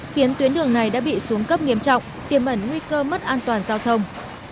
khiến tuyến đường này đã bị xuống cấp nghiêm trọng tiềm ẩn nguy cơ mất an toàn giao thông